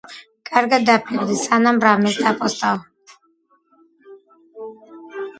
კარგად დაფიქრდი, სანამ რამეს დაპოსტავ.